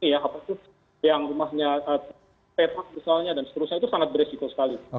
tapi memicu membesarnya kluster sebenarnya